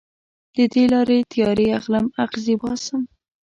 د دې لارې تیارې اخلم اغزې باسم